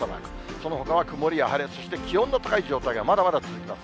そのほかは曇りや晴れ、そして気温の高い状態がまだまだ続きます。